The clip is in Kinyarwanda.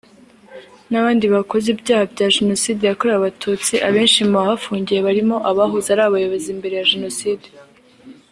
n’abandi bakoze ibyaha bya Jenocide yakorewe abatutsi abenshi mu bahafungiye barimo abahoze ari abayobozi mbere ya Jenoside